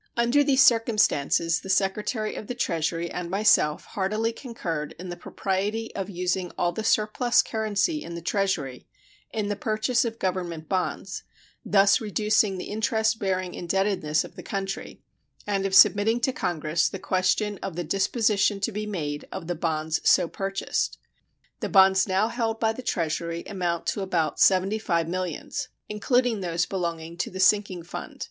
Under these circumstances the Secretary of the Treasury and myself heartily concurred in the propriety of using all the surplus currency in the Treasury in the purchase of Government bonds, thus reducing the interest bearing indebtedness of the country, and of submitting to Congress the question of the disposition to be made of the bonds so purchased. The bonds now held by the Treasury amount to about seventy five millions, including those belonging to the sinking fund.